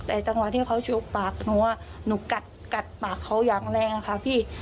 แต่ตั้งวันที่เขาจูบปากหนูกัดปากเขายังแรงค่ะพี่